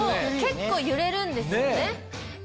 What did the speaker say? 結構揺れるんですよね。